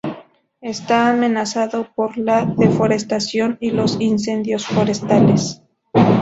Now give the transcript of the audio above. Esta amenazado por la deforestación y los incendios forestales.